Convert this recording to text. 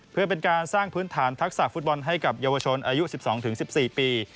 เพื่อเป็นการสร้างพื้นฐานทักษะฟุตบอลให้กับเยาวชนอายุ๑๒๑๔ปี